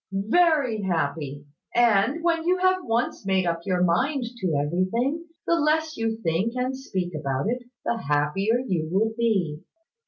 "Very happy; and, when you have once made up your mind to everything, the less you think and speak about it, the happier you will be.